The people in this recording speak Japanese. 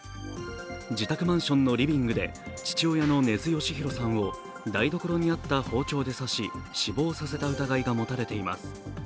自宅マンションのリビングで父親の根津嘉弘さんを台所にあった包丁で刺し死亡させた疑いが持たれています。